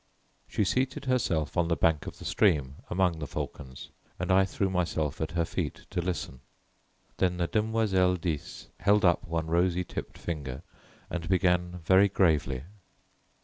She seated herself on the bank of the stream among the falcons and I threw myself at her feet to listen. Then the Demoiselle d'Ys held up one rosy tipped finger and began very gravely.